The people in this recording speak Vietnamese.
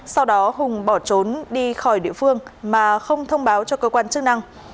sau đó hùng bỏ trốn đi khỏi địa phương mà không thông báo cho cơ quan chức năng